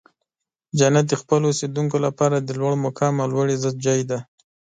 جنت د خپلو اوسیدونکو لپاره د لوړ مقام او لوړ عزت ځای دی.